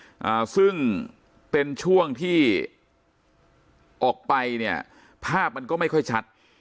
อ่าซึ่งเป็นช่วงที่ออกไปเนี่ยภาพมันก็ไม่ค่อยชัด